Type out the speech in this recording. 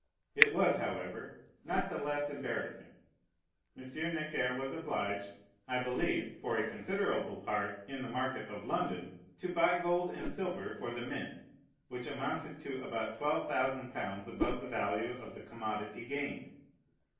It was, however, not the less embarrassing. M. Necker was obliged (I believe, for a considerable part, in the market of London) to buy gold and silver for the mint, which amounted to about twelve thousand pounds above the value of the commodity gained.